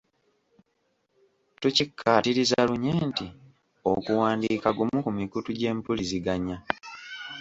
Tukikkaatiriza lunye nti okuwandiika gumu ku mikutu gy'empuliziganya.